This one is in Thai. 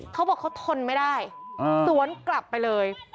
เขาบอกเขาทนไม่ได้สวนกลับไปเลย